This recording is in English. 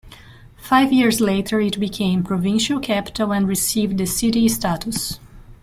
Five years later it became provincial capital and received the city status.